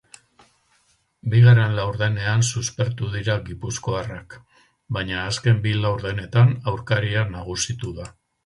Bigarren laurdenean suspertu dira gipuzkoarrak, baina azken bi laurdenetan aurkaria nagusitu da.